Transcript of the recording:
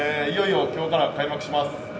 いよいよ今日から開幕します。